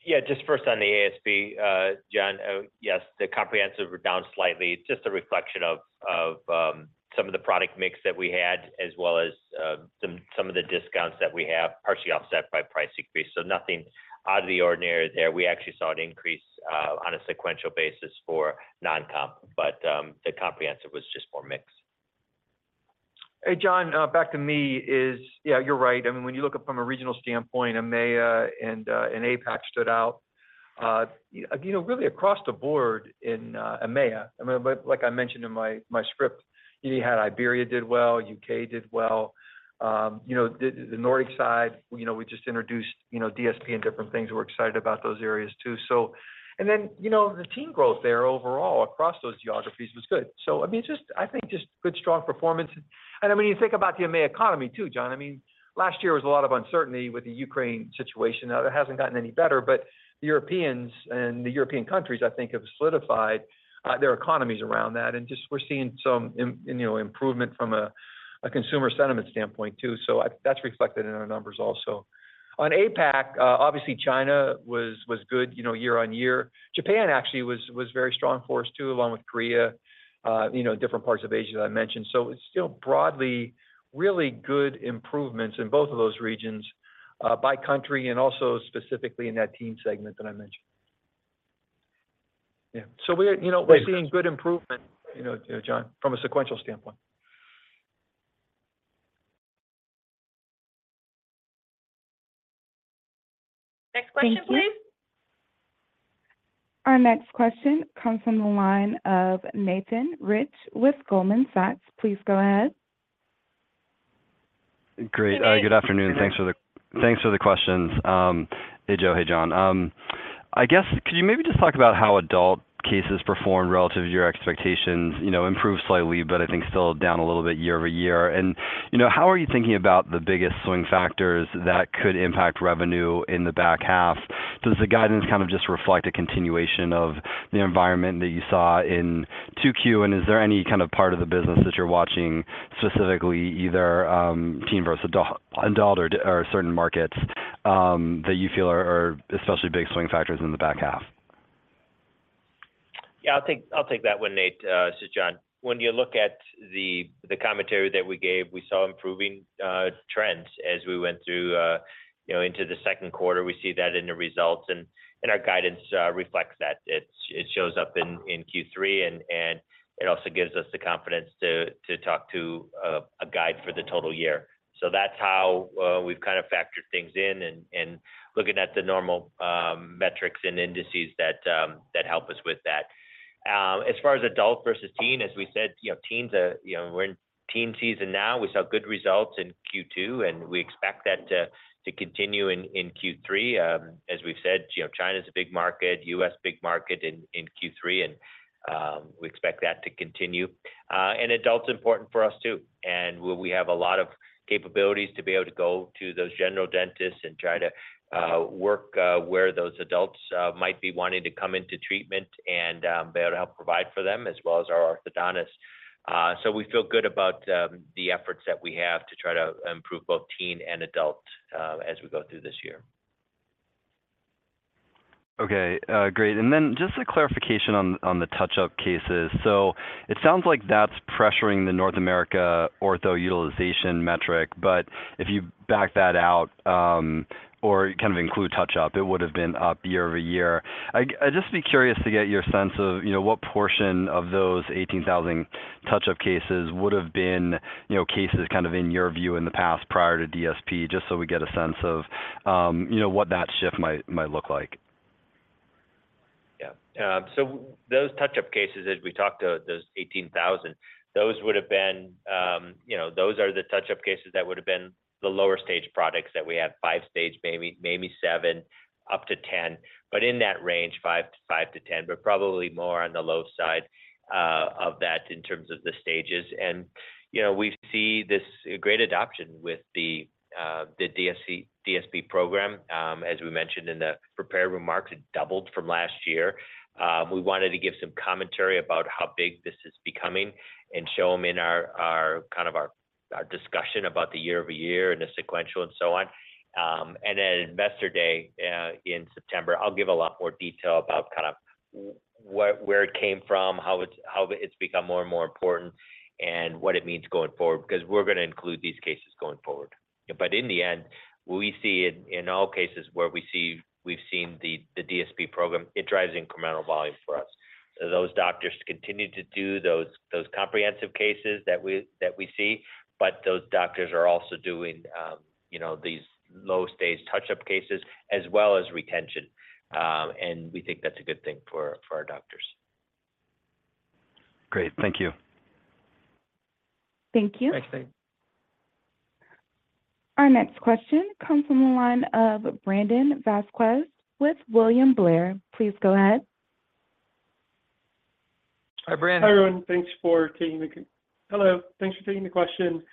Go ahead, John. Just first on the ASP, Jon, oh yes, the comprehensive were down slightly. It's just a reflection of some of the product mix that we had, as well as some of the discounts that we have, partially offset by price increase. Nothing out of the ordinary there. We actually saw an increase on a sequential basis for non-comp, the comprehensive was just more mixed. Hey, Jon, back to me is. Yeah, you're right. I mean, when you look at from a regional standpoint, EMEA and APAC stood out. You know, really across the board in EMEA. I mean, but like I mentioned in my script, you know, you had Iberia did well, UK did well. You know, the Nordic side, you know, we just introduced, you know, DSP and different things. We're excited about those areas, too. And then, you know, the teen growth there overall, across those geographies was good. I mean, just, I think, just good, strong performance. When you think about the EMEA economy, too, John, I mean, last year was a lot of uncertainty with the Ukraine situation. It hasn't gotten any better, but the Europeans and the European countries, I think, have solidified their economies around that, and just we're seeing some improvement from a consumer sentiment standpoint, too. That's reflected in our numbers also. On APAC, obviously, China was good, you know, year-on-year. Japan actually was very strong for us, too, along with Korea, you know, different parts of Asia that I mentioned. It's still broadly really good improvements in both of those regions, by country and also specifically in that teen segment that I mentioned. Yeah. We're, you know. Thanks, Jon... we're seeing good improvement, you know, John, from a sequential standpoint. Next question, please. Thank you. Our next question comes from the line of Nathan Rich with Goldman Sachs. Please go ahead. Great. good afternoon. Thanks for the questions. Hey, Joe. Hey, John. I guess, could you maybe just talk about how adult cases performed relative to your expectations? You know, improved slightly, but I think still down a little bit year-over-year. You know, how are you thinking about the biggest swing factors that could impact revenue in the back half? Does the guidance kind of just reflect a continuation of the environment that you saw in 2Q? Is there any kind of part of the business that you're watching, specifically, either, teen versus adult or certain markets that you feel are especially big swing factors in the back half? Yeah, I'll take that one, Nate. John, when you look at the commentary that we gave, we saw improving trends as we went through, you know, into the second quarter. We see that in the results, and our guidance reflects that. It shows up in Q3 and it also gives us the confidence to talk to a guide for the total year. That's how we've kind of factored things in and looking at the normal metrics and indices that help us with that. As far as adult versus teen, as we said, you know, teens are, you know, we're in teen season now. We saw good results in Q2, and we expect that to continue in Q3. As we've said, you know, China is a big market, U.S., big market in Q3, and we expect that to continue. Adult's important for us, too, and we have a lot of capabilities to be able to go to those general dentists and try to work where those adults might be wanting to come into treatment and be able to help provide for them, as well as our orthodontists. We feel good about the efforts that we have to try to improve both teen and adult as we go through this year. Okay, great. Just a clarification on the touch-up cases. It sounds like that's pressuring the North America ortho utilization metric, but if you back that out, or kind of include touch-up, it would have been up year-over-year. I'd just be curious to get your sense of, you know, what portion of those 18,000 touch-up cases would have been, you know, cases kind of, in your view, in the past, prior to DSP, just so we get a sense of, you know, what that shift might look like? Those touch-up cases, as we talked about, those 18,000, those would have been, you know, those are the touch-up cases that would have been the lower stage products that we had, 5 stage, maybe 7, up to 10. In that range, 5 to 10, but probably more on the low side of that in terms of the stages. You know, we see this great adoption with the DSP program. As we mentioned in the prepared remarks, it doubled from last year. We wanted to give some commentary about how big this is becoming and show them in our kind of our discussion about the year-over-year and the sequential and so on. Investor Day, in September, I'll give a lot more detail about kind of where it came from, how it's become more and more important, and what it means going forward, because we're going to include these cases going forward. In the end, we see it in all cases where we've seen the DSP program, it drives incremental volume for us. Those doctors continue to do those comprehensive cases that we see, but those doctors are also doing, you know, these low stage touch-up cases as well as retention, and we think that's a good thing for our doctors. Great. Thank you. Thank you. Thank you. Our next question comes from the line of Brandon Vazquez with William Blair. Please go ahead. Hi, Brandon. Hi, everyone. Hello, thanks for taking the question.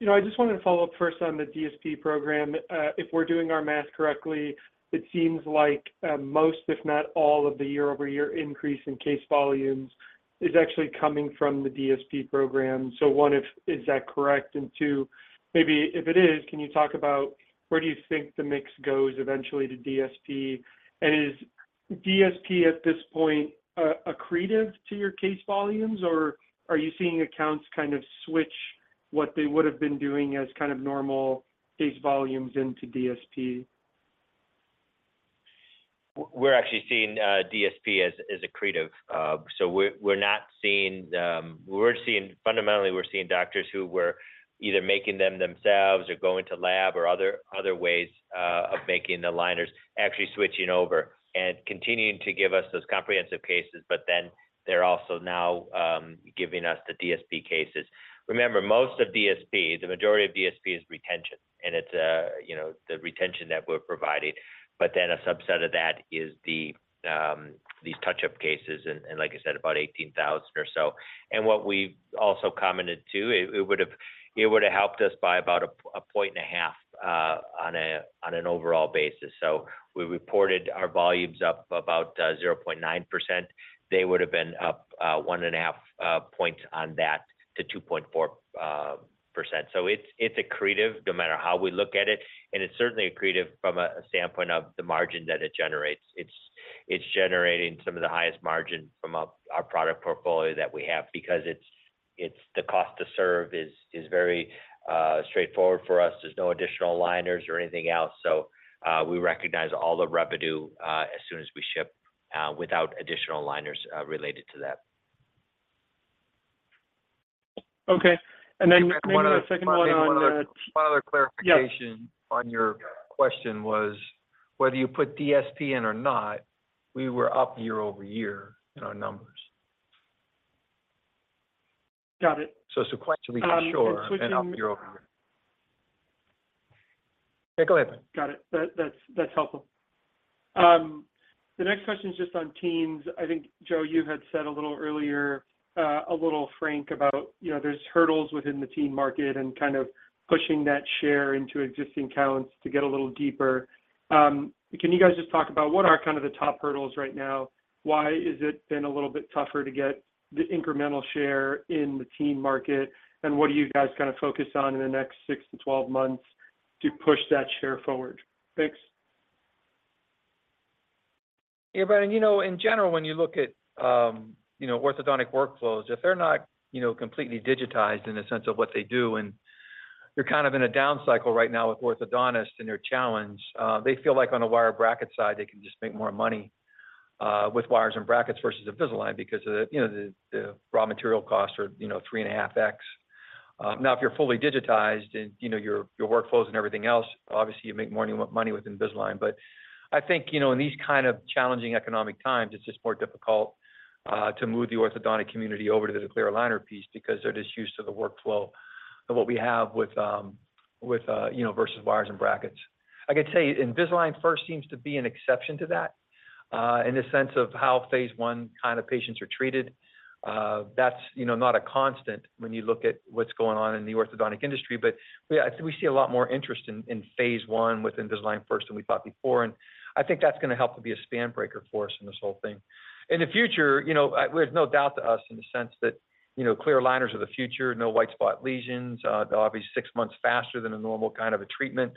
you know, I just wanted to follow up first on the DSP program. if we're doing our math correctly, it seems like, most, if not all, of the year-over-year increase in case volumes is actually coming from the DSP program. One, is that correct? Two, maybe if it is, can you talk about where do you think the mix goes eventually to DSP? Is DSP, at this point, accretive to your case volumes, or are you seeing accounts kind of switch what they would have been doing as kind of normal case volumes into DSP? We're actually seeing DSP as accretive. We're not seeing fundamentally, we're seeing doctors who were either making them themselves or going to lab or other ways of making the liners, actually switching over and continuing to give us those comprehensive cases, but then they're also now giving us the DSP cases. Remember, most of DSP, the majority of DSP is retention, and it's, you know, the retention that we're providing, but then a subset of that is these touch-up cases, and like I said, about 18,000 or so. What we've also commented, too, it would have helped us by about 1.5 points on an overall basis. We reported our volumes up about 0.9%. They would have been up 1.5 points on that to 2.4%. It's accretive no matter how we look at it, and it's certainly accretive from a standpoint of the margin that it generates. It's generating some of the highest margin from our product portfolio that we have because it's the cost to serve is very straightforward for us. There's no additional liners or anything else, so we recognize all the revenue as soon as we ship without additional liners related to that. Okay. Then maybe the second one on, One other clarification. Yeah... on your question was, whether you put DSP in or not, we were up year-over-year in our numbers. Got it. Sequentially, sure, and up year-over-year. Um, and switching- Yeah, go ahead. Got it. That's helpful. The next question is just on teens. I think, Joe, you had said a little earlier, a little frank about, you know, there's hurdles within the teen market and kind of pushing that share into existing accounts to get a little deeper. Can you guys just talk about what are kind of the top hurdles right now? Why has it been a little bit tougher to get the incremental share in the teen market? What are you guys gonna focus on in the next 6-12 months to push that share forward? Thanks. Yeah, Brandon, you know, in general, when you look at, you know, orthodontic workflows, if they're not, you know, completely digitized in the sense of what they do, and you're kind of in a down cycle right now with orthodontists and their challenge, they feel like on a wire bracket side, they can just make more money with wires and brackets versus Invisalign because the, you know, the raw material costs are, you know, 3.5x. Now, if you're fully digitized and, you know, your workflows and everything else, obviously, you make more money with Invisalign. I think, you know, in these kind of challenging economic times, it's just more difficult to move the orthodontic community over to the clear aligner piece because they're just used to the workflow of what we have with, you know, versus wires and brackets. I can tell you, Invisalign First seems to be an exception to that, in the sense of how phase I kind of patients are treated. That's, you know, not a constant when you look at what's going on in the orthodontic industry, but we see a lot more interest in phase I with Invisalign First than we thought before, and I think that's going to help to be a dam breaker for us in this whole thing. In the future, you know, there's no doubt to us in the sense that, you know, clear aligners are the future, no white spot lesions, they'll obviously six months faster than a normal kind of a treatment,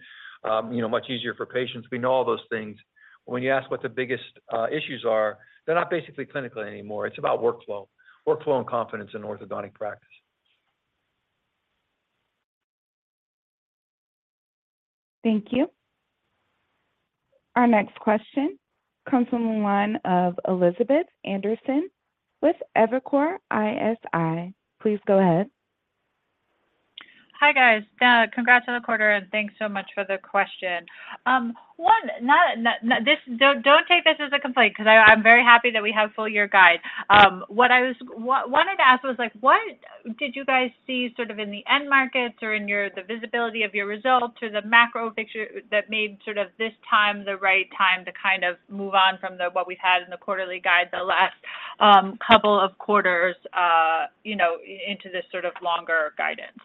you know, much easier for patients. We know all those things. When you ask what the biggest issues are, they're not basically clinical anymore. It's about workflow and confidence in orthodontic practice. Thank you. Our next question comes from the line of Elizabeth Anderson with Evercore ISI. Please go ahead. Hi, guys. Congrats on the quarter. Thanks so much for the question. One, not, don't take this as a complaint, 'cause I'm very happy that we have full year guides. What I wanted to ask was, like, what did you guys see sort of in the end markets or in your, the visibility of your results, or the macro picture that made sort of this time the right time to kind of move on from the, what we've had in the quarterly guide the last couple of quarters, you know, into this sort of longer guidance?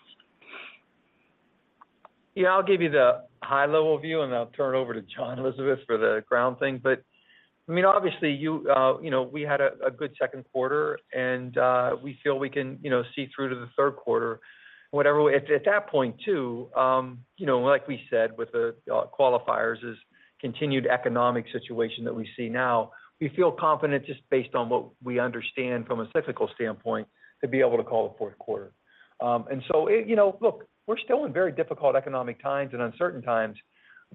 I'll give you the high level view, and I'll turn it over to John, Elizabeth, for the ground thing. I mean, obviously, you know, we had a good second quarter, and we feel we can, you know, see through to the third quarter. At that point too, you know, like we said, with the qualifiers is continued economic situation that we see now. We feel confident just based on what we understand from a cyclical standpoint, to be able to call the fourth quarter. It... You know, look, we're still in very difficult economic times and uncertain times.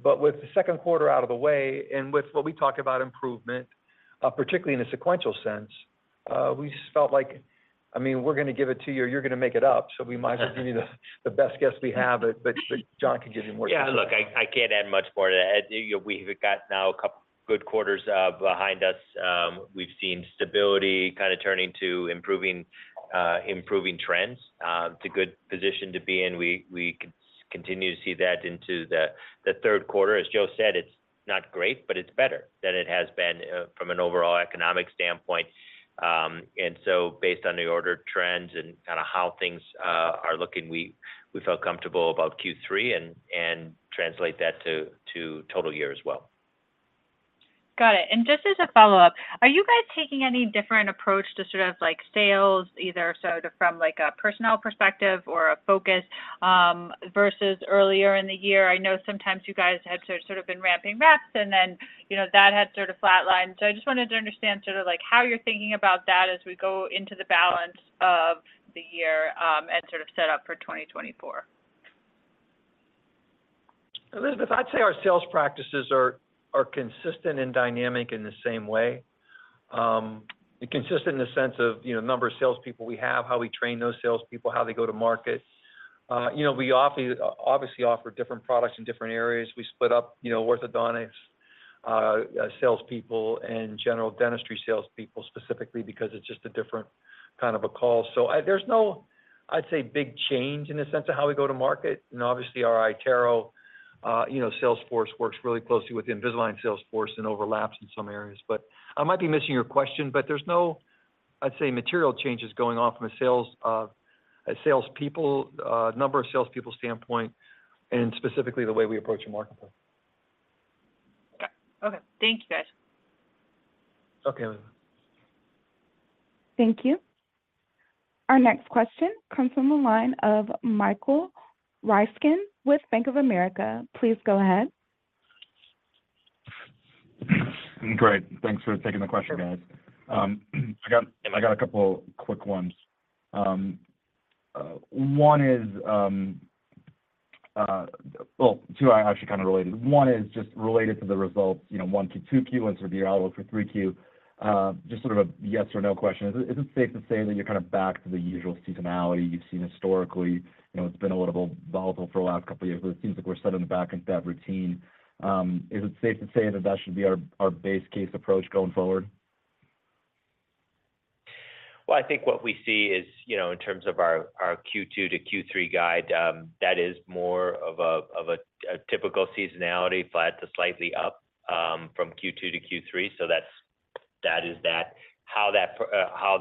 With the second quarter out of the way, and with what we talk about improvement, particularly in a sequential sense, we just felt like, I mean, we're gonna give it to you, or you're gonna make it up, so we might as well give you the best guess we have. John can give you more- Yeah, look, I can't add much more to that. You know, we've got now a couple good quarters behind us. We've seen stability kind of turning to improving trends. It's a good position to be in. We continue to see that into the third quarter. As Joe said, it's not great, but it's better than it has been from an overall economic standpoint. Based on the order trends and kind of how things are looking, we felt comfortable about Q3 and translate that to total year as well. Got it. Just as a follow-up, are you guys taking any different approach to sort of like sales, either sort of from like a personnel perspective or a focus versus earlier in the year? I know sometimes you guys have sort of been ramping reps and then, you know, that had sort of flatlined. I just wanted to understand sort of like how you're thinking about that as we go into the balance of the year and sort of set up for 2024. Elizabeth, I'd say our sales practices are consistent and dynamic in the same way. Consistent in the sense of, you know, number of salespeople we have, how we train those salespeople, how they go to market. You know, we obviously offer different products in different areas. We split up, you know, orthodontics salespeople and general dentistry salespeople, specifically because it's just a different kind of a call. There's no, I'd say, big change in the sense of how we go to market. You know, obviously, our iTero, you know, sales force works really closely with the Invisalign sales force and overlaps in some areas. I might be missing your question, but there's no, I'd say, material changes going on from a sales, a salespeople, number of salespeople standpoint, and specifically the way we approach the marketplace. Okay. Thank you, guys. Okay, Elizabeth. Thank you. Our next question comes from the line of Michael Ryskin with Bank of America. Please go ahead. Great. Thanks for taking the question, guys. I got two quick ones. Well, two are actually kind of related. One is just related to the results, you know, one to 2Q and sort of your outlook for 3Q. Just sort of a yes or no question. Is it safe to say that you're kind of back to the usual seasonality you've seen historically? You know, it's been a little volatile for the last two years, but it seems like we're settling back into that routine. Is it safe to say that that should be our base case approach going forward? I think what we see is, you know, in terms of our Q2 to Q3 guide, that is more of a typical seasonality flat to slightly up from Q2 to Q3. That is that. How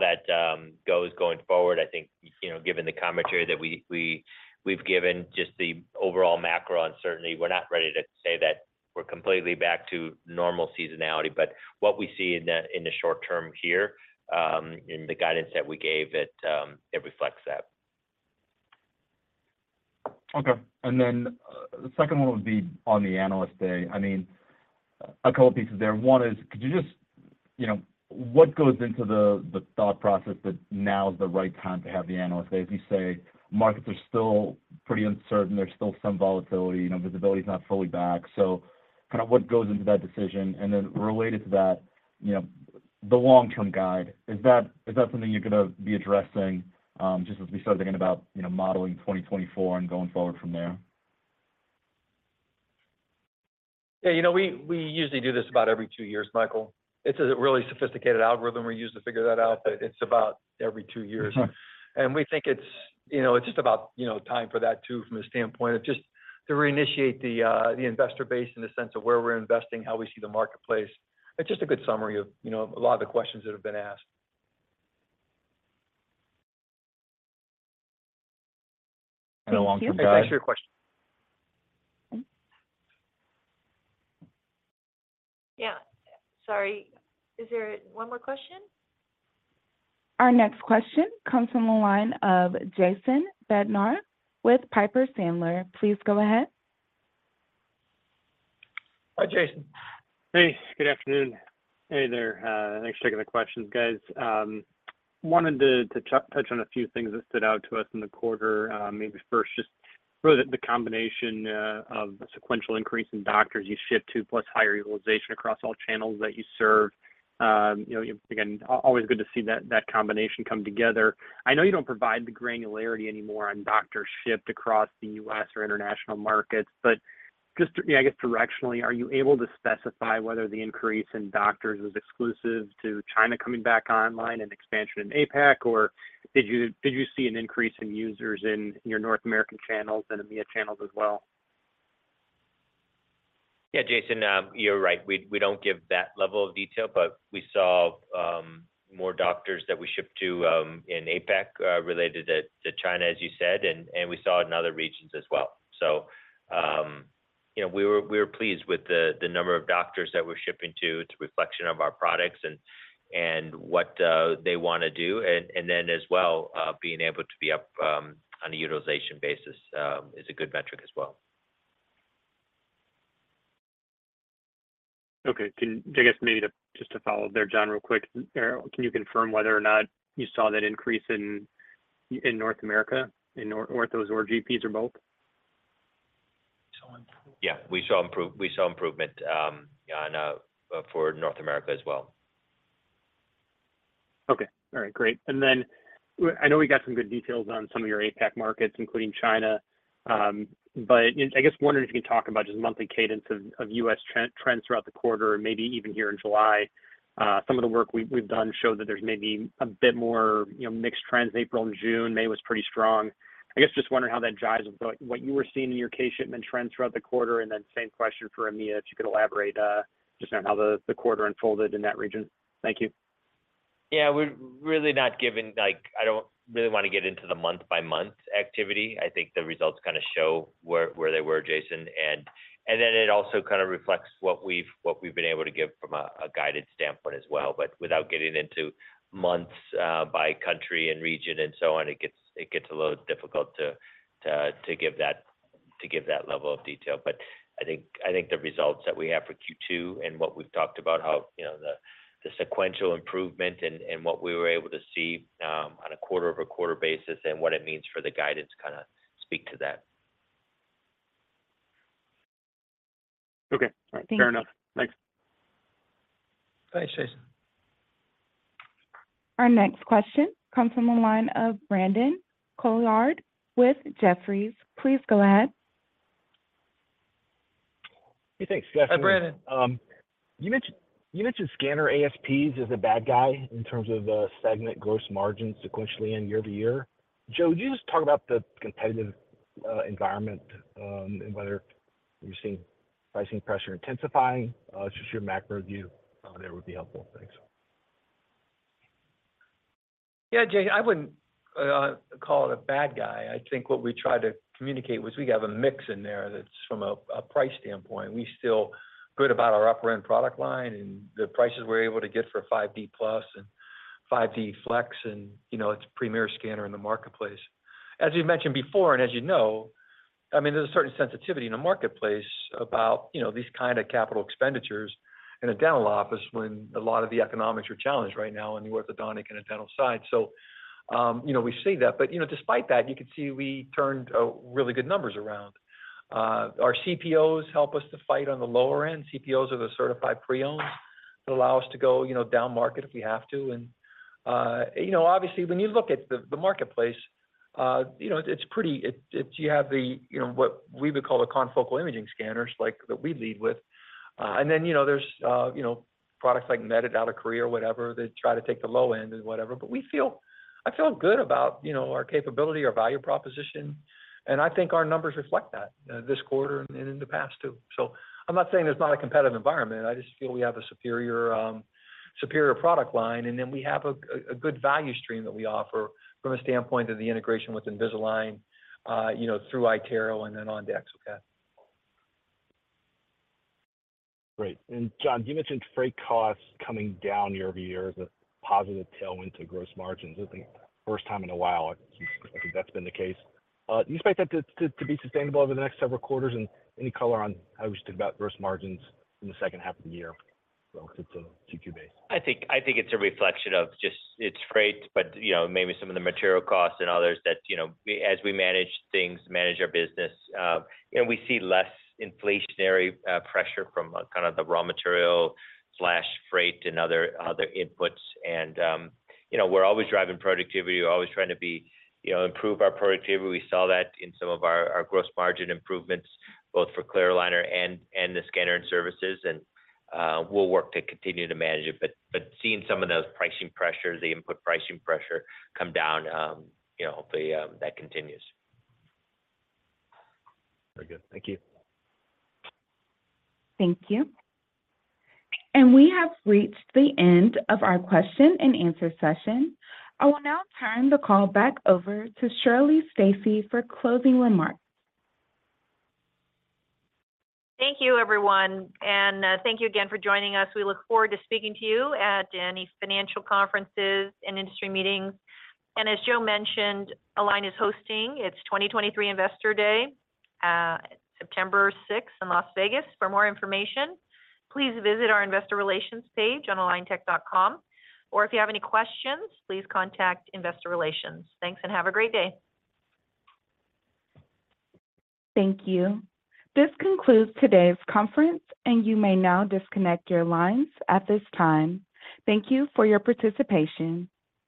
that goes going forward, I think, you know, given the commentary that we've given, just the overall macro uncertainty, we're not ready to say that we're completely back to normal seasonality. What we see in the, in the short term here, in the guidance that we gave, it reflects that. Okay. The second one would be on the Analyst Day. I mean, a couple of pieces there. One is, could you just, you know, what goes into the thought process that now is the right time to have the Analyst Day? As you say, markets are still pretty uncertain, there's still some volatility, you know, visibility is not fully back. Kind of what goes into that decision? Related to that, you know, the long-term guide, is that, is that something you're gonna be addressing, just as we start thinking about, you know, modeling 2024 and going forward from there? Yeah, you know, we usually do this about every two years, Michael. It's a really sophisticated algorithm we use to figure that out, but it's about every two years. Okay. We think it's, you know, it's just about, you know, time for that too, from a standpoint of just to reinitiate the investor base in the sense of where we're investing, how we see the marketplace. It's just a good summary of, you know, a lot of the questions that have been asked. Thank you. Thanks for your question. Yeah. Sorry, is there one more question? Our next question comes from the line of Jason Bednar with Piper Sandler. Please go ahead. Hi, Jason. Hey, good afternoon. Hey there, thanks for taking the questions, guys. Wanted to touch on a few things that stood out to us in the quarter. Maybe first, just sort of the combination of the sequential increase in doctors you ship to, plus higher utilization across all channels that you serve. You know, again, always good to see that combination come together. I know you don't provide the granularity anymore on doctors shipped across the U.S. or international markets. Just, I guess directionally, are you able to specify whether the increase in doctors is exclusive to China coming back online and expansion in APAC? Or did you see an increase in users in your North American channels and EMEA channels as well? Jason, you're right. We don't give that level of detail, but we saw more doctors that we shipped to in APAC related to China, as you said, and we saw it in other regions as well. You know, we were pleased with the number of doctors that we're shipping to. It's a reflection of our products and what they want to do. Then as well, being able to be up on a utilization basis is a good metric as well. Okay. I guess maybe to, just to follow up there, John, real quick, can you confirm whether or not you saw that increase in North America, in orthos or GPs or both? Yeah, we saw improvement on for North America as well. Okay. All right, great. I know we got some good details on some of your APAC markets, including China, I guess wondering if you can talk about just monthly cadence of US trends throughout the quarter, and maybe even here in July. Some of the work we've done showed that there's maybe a bit more, you know, mixed trends, April and June. May was pretty strong. I guess just wondering how that jives with, like, what you were seeing in your case shipment trends throughout the quarter, same question for EMEA. If you could elaborate just on how the quarter unfolded in that region. Thank you. Yeah, we're really not giving like, I don't really want to get into the month-by-month activity. I think the results kinda show where they were, Jason. Then it also kind of reflects what we've been able to give from a guided standpoint as well. Without getting into months by country and region and so on, it gets a little difficult to give that level of detail. I think the results that we have for Q2 and what we've talked about, how, you know, the sequential improvement and what we were able to see on a quarter-over-quarter basis and what it means for the guidance, kinda speak to that. Okay. Thank you. All right, fair enough. Thanks. Thanks, Jason. Our next question comes from the line of Brandon Couillard with Jefferies. Please go ahead. Hey, thanks, Jefferies. Hi, Brandon. You mentioned scanner ASPs as a bad guy in terms of stagnant gross margin sequentially and year-over-year. Joe, would you just talk about the competitive environment, and whether you're seeing pricing pressure intensifying? Just your macro view there would be helpful. Thanks. Yeah, Jay, I wouldn't call it a bad guy. I think what we tried to communicate was we have a mix in there that's from a price standpoint. We still feel good about our upper-end product line and the prices we're able to get for 5D Plus and 5D Flex, you know, it's a premier scanner in the marketplace. As you mentioned before, as you know, I mean, there's a certain sensitivity in the marketplace about, you know, these kind of capital expenditures in a dental office when a lot of the economics are challenged right now in the orthodontic and the dental side. You know, we see that. You know, despite that, you can see we turned really good numbers around. Our CPOs help us to fight on the lower end. CPOs are the certified pre-owned that allow us to go, you know, down market if we have to. Obviously, you know, when you look at the marketplace, you have the, you know, what we would call the confocal imaging scanners, like, that we lead with. Then, you know, there's, you know, products like Medit out of Korea or whatever, that try to take the low end and whatever. I feel good about, you know, our capability, our value proposition, and I think our numbers reflect that this quarter and in the past, too. I'm not saying there's not a competitive environment. I just feel we have a superior product line, and then we have a good value stream that we offer from a standpoint of the integration with Invisalign, you know, through iTero and then on. [inaudible] Great. John, you mentioned freight costs coming down year-over-year as a positive tailwind to gross margins. I think first time in a while, I think that's been the case. Do you expect that to be sustainable over the next several quarters? Any color on how you think about gross margins in the second half of the year relative to Q2 base? I think it's a reflection of just it's freight, but, you know, maybe some of the material costs and others that, you know, as we manage things, manage our business, you know, we see less inflationary pressure from kind of the raw material/freight and other inputs. We're always driving productivity. We're always trying to be, improve our productivity. We saw that in some of our gross margin improvements, both for clear aligner and the scanner and services, and we'll work to continue to manage it. Seeing some of those pricing pressures, the input pricing pressure come down, you know, hopefully, that continues. Very good. Thank you. Thank you. We have reached the end of our question and answer session. I will now turn the call back over to Shirley Stacy for closing remarks. Thank you, everyone, and thank you again for joining us. We look forward to speaking to you at any financial conferences and industry meetings. As Joe mentioned, Align is hosting its 2023 Investor Day at September 6 in Las Vegas. For more information, please visit our investor relations page on aligntech.com, or if you have any questions, please contact investor relations. Thanks. Have a great day. Thank you. This concludes today's conference. You may now disconnect your lines at this time. Thank you for your participation.